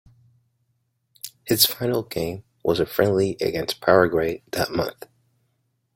His final game was a friendly against Paraguay that month.